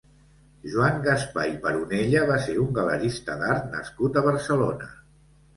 Joan Gaspar i Paronella va ser un galerista d'art nascut a Barcelona.